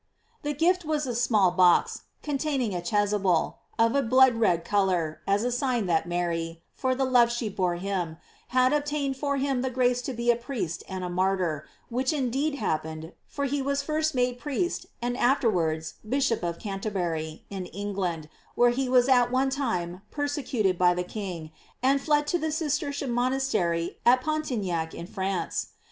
The gift was a small box, containing a chasuble, of a blood red color, as a sign that Mary, for the love she bore him, had obtained for him the grace to be a priest and a martyr, which indeed happened, for he was first made priest and afterwards Bishop of Canterbury, in England, where he was at one time persecuted by the king, and fled to the Cistercian mon astery, at Pontignac, in France.